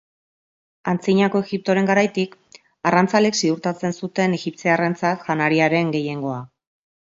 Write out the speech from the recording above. Antzinako Egiptoren garaitik, arrantzaleek ziurtatzen zuten egipziarrentzat janariaren gehiengoa.